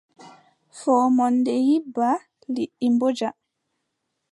Foomoonde yibba, liɗɗi mbooja.